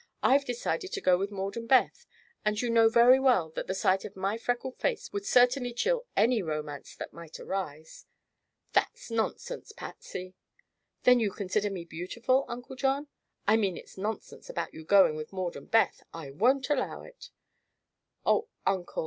"I've decided to go with Maud and Beth, and you know very well that the sight of my freckled face would certainly chill any romance that might arise." "That's nonsense, Patsy!" "Then you consider me beautiful, Uncle John?" "I mean it's nonsense about your going with Maud and Beth. I won't allow it." "Oh, Uncle!